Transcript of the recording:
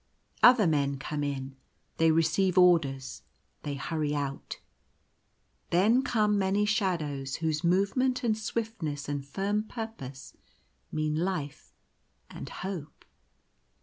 Other men come in — they receive orders — they hurry out. Then come many shadows whose movement and swift ness and firm purpose mean life and hope.